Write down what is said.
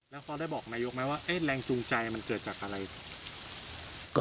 แล้วพอได้บอกในยุคไหมว่า